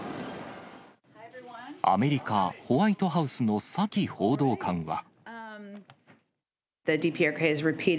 アメリカ、ホワイトハウスのサキ報道官は。